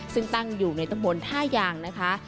ซึ่งตั้งอยู่ในตำบลท่ายางนะคะ